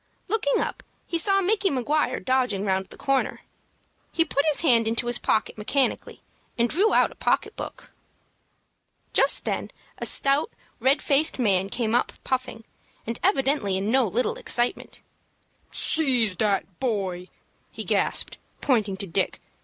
Looking up, he saw Micky Maguire dodging round the corner. He put his hand into his pocket mechanically, and drew out a pocket book. Just then a stout, red faced man came up puffing, and evidently in no little excitement. "Seize that boy!" he gasped, pointing to Dick.